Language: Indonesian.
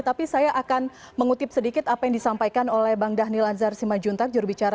tapi saya akan mengutip sedikit apa yang disampaikan oleh bang dhanil anzar simajuntak jurubicara